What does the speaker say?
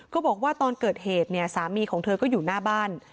บอกว่าตอนเกิดเหตุเนี่ยสามีของเธอก็อยู่หน้าบ้าน